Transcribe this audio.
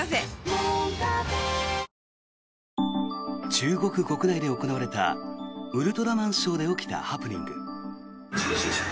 中国国内で行われたウルトラマンショーで起きたハプニング。